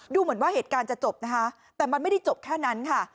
ดูเหมือนว่าเหตุการณ์จะจบนะคะแต่มันไม่ได้จบแค่นั้นค่ะ